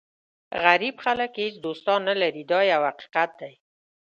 غریب خلک هېڅ دوستان نه لري دا یو حقیقت دی.